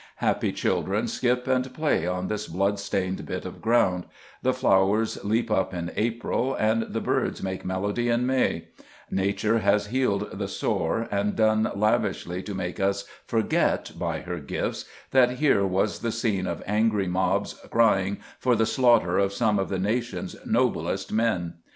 Happy children skip and play on this blood stained bit of ground; the flowers leap up in April and the birds make melody in May; Nature has healed the sore and done lavishly to make us forget, by her gifts, that here was the scene of angry mobs crying for the slaughter of some of the nation's noblest men.